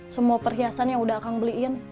semua perhiasan yang udah akan beliin